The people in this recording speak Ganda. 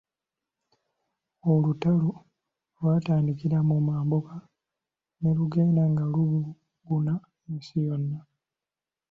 Olutalo lwatandikira mu mambuka ne lugenda nga lubuna ensi yonna.